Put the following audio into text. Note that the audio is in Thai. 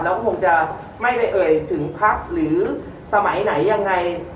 แล้วคงจะไม่ไปเอ่ยถึงพักหรือสมัยไหนยังไง